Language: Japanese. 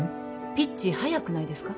ピッチ速くないですか？